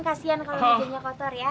kasian kalau mejanya kotor ya